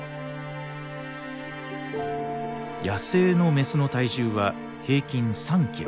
野生のメスの体重は平均３キロ。